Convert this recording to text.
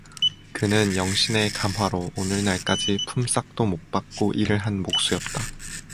그는 영신의 감화로 오늘날까지 품삯도 못 받고 일을 한 목수 였다.